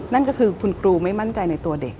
นั่นก็คือคุณครูไม่มั่นใจในตัวเด็ก